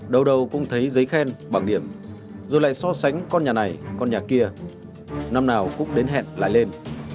đầu đầu cũng thấy giấy khen bảng điểm rồi lại so sánh con nhà này con nhà kia năm nào cũng đến hẹn lại lên